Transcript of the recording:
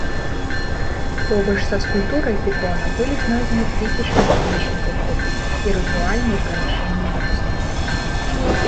Побач са скульптурай пітона былі знойдзены тысячы наканечнікаў копій і рытуальныя прынашэнні бажаству.